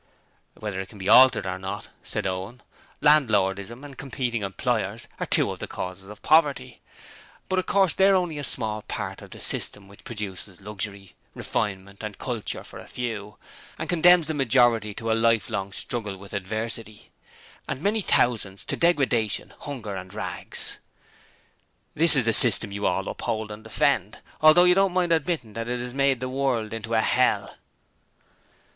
'Whether it can be altered or not,' said Owen, 'Landlordism and Competing Employers are two of the causes of poverty. But of course they're only a small part of the system which produces luxury, refinement and culture for a few, and condemns the majority to a lifelong struggle with adversity, and many thousands to degradation, hunger and rags. This is the system you all uphold and defend, although you don't mind admitting that it has made the world into a hell.'